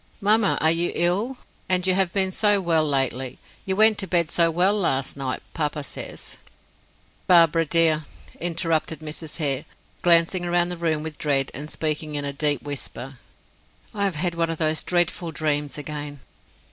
"Mamma, are you ill? And you have been so well lately; you went to bed so well last night. Papa says " "Barbara, dear," interrupted Mrs. Hare, glancing round the room with dread, and speaking in a deep whisper, "I have had one of those dreadful dreams again."